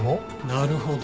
なるほど。